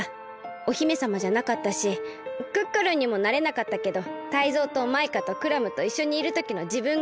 お姫さまじゃなかったしクックルンにもなれなかったけどタイゾウとマイカとクラムといっしょにいるときのじぶんがすき。